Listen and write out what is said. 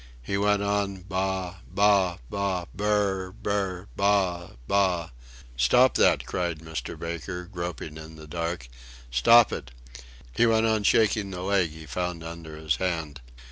He went on: "Ba ba ba brrr brr ba ba." "Stop that!" cried Mr. Baker, groping in the dark. "Stop it!" He went on shaking the leg he found under his hand.